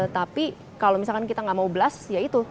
tapi kalau misalkan kita nggak mau blast ya itu